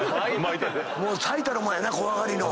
最たるもんやな怖がりの。